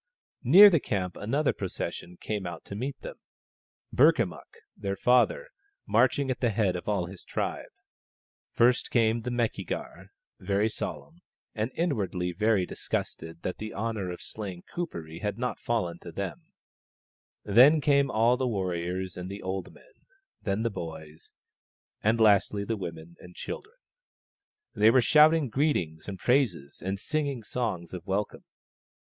Near the camp another procession came out to meet them : Burkamukk, their father, marching at the head of all his tribe. First came the Meki gar, very solemn, and inwardly very disgusted that the honour of slaying Kuperee had not fallen to them ; then came all the warriors and the old men, then the boys, and lastly the women and children. They were shouting greetings and praises and singing songs of welcome.